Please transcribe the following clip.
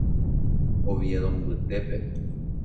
Oviedo mbytépe.